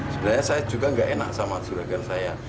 sebenarnya saya juga tidak enak sama surga saya